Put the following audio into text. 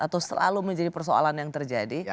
atau selalu menjadi persoalan yang terjadi